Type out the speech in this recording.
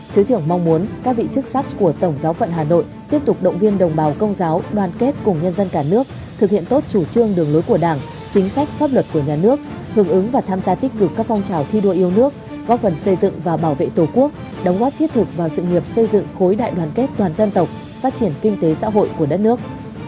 thứ trưởng mong muốn các vị chức sắc của tổng giáo phận hà nội tiếp tục động viên đồng bào công giáo đoàn kết cùng nhân dân cả nước thực hiện tốt chủ trương đường lối của đảng chính sách pháp luật của nhà nước hưởng ứng và tham gia tích cực các phong trào thi đua yêu nước góp phần xây dựng và bảo vệ tổ quốc đóng góp thiết thực vào sự nghiệp xây dựng khối đại đoàn kết toàn dân tộc phát triển kinh tế xã hội của đất nước